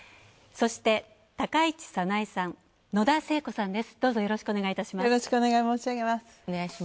そして、高市早苗さん、野田聖子さんです。